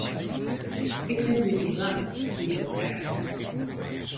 Ik wenje yn Ljouwert, yn Bilgaard.